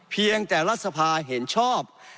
เพียงแต่รัฐสภาเห็นชอบ